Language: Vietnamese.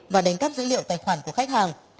và đánh cắp dữ liệu tài khoản của khách hàng